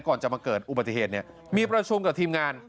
ก่อนจะมาเกิดอุบัติเหตุเนี่ยมีประชุมกับทีมงาน